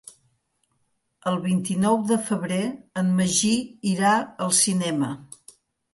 El vint-i-nou de febrer en Magí irà al cinema.